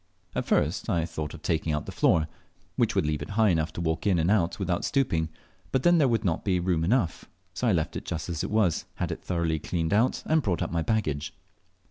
At first I thought of taking out the floor, which would leave it high enough to walk in and out without stooping; but then there would not be room enough, so I left it just as it was, had it thoroughly cleaned out, and brought up my baggage.